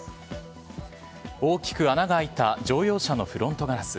大きく穴が開いた乗用車のフロントガラス。